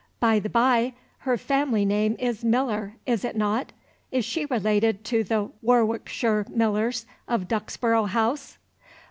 By the bye, her family name is Miller is it not? Is she related to the Warwickshire Millers of Duxborough House?"